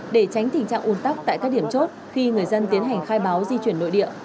để tránh tình trạng un tắc tại các điểm chốt khi người dân tiến hành khai báo di chuyển nội địa